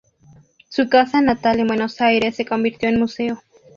Su casa natal en Buenos Aires se convirtió en museo.